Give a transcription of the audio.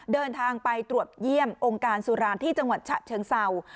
เดินทางไปตรวจเยี่ยมองค์การสุรานที่จังหวัดฉะเชิงเศร้า